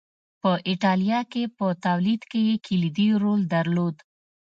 په اېټالیا کې په تولید کې یې کلیدي رول درلود